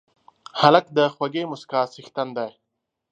هلک د خوږې موسکا څښتن دی.